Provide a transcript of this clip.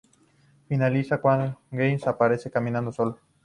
Finaliza cuando James aparece caminando solo.